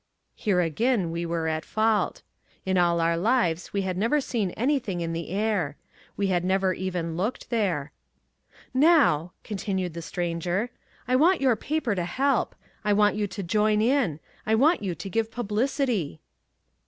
Here again we were at fault. In all our lives we had never seen anything in the air. We had never even looked there. "Now," continued the Stranger, "I want your paper to help. I want you to join in. I want you to give publicity."